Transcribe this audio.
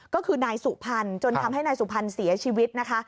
ก็คือนายสุพรรณจนทำให้นายสุพรรณเสียชีวิตนะคะ